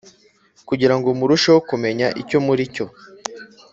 kugirango murusheho kumenya icyo muri cyo.